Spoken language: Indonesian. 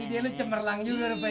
dia lu cemerlang juga rupanya